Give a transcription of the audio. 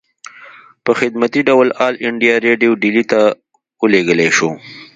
پۀ خدمتي ډول آل انډيا ريډيو ډيلي ته اوليږلی شو